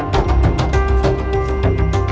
jadi kita harus memilih